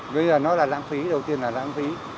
bây giờ nó là lãng phí đầu tiên là lãng phí